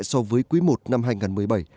so với quý i năm hai nghìn một mươi bảy